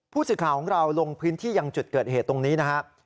ผู้สื่อข่าวของเราลงพื้นที่ยังจุดเกิดเหตุตรงนี้นะครับ